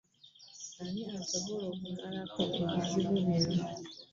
Ani asobola okumalako ebizibu bino?